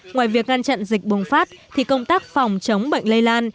ngoài việc ngăn chặn dịch bùng phát thì công tác phòng chống bệnh lây lan